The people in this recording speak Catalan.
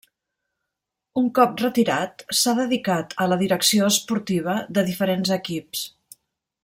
Un cop retirat, s'ha dedicat a la direcció esportiva de diferents equips.